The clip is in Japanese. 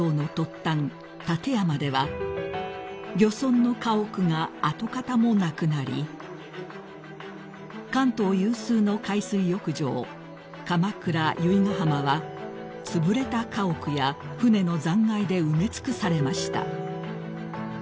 館山では漁村の家屋が跡形もなくなり関東有数の海水浴場鎌倉由比ヶ浜はつぶれた家屋や舟の残骸で埋め尽くされました］